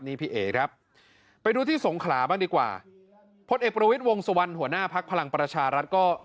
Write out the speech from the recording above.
นี่พี่เอ๋ครับไปดูที่สงขลาบ้างดีกว่าพลเอกประวิทย์วงสุวรรณหัวหน้าภักดิ์พลังประชารัฐก็